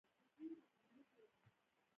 هغه د خپلې سیمې پاچا و.